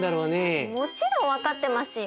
もちろん分かってますよ。